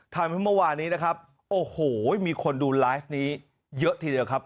เมื่อวานนี้นะครับโอ้โหมีคนดูไลฟ์นี้เยอะทีเดียวครับ